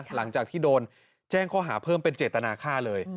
หลังจากที่โดนแจ้งข้อหาเพิ่มเป็นเจตนาค่าเลย